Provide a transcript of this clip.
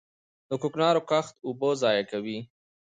د کوکنارو کښت اوبه ضایع کوي.